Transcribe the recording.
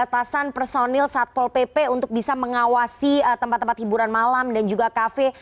ada keterbatasan personil saat pol pp untuk bisa mengawasi tempat tempat hiburan malam dan juga kafe